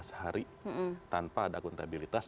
sehari tanpa ada kontabilitas